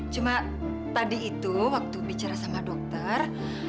cuma tadi itu waktu bicara sama dokter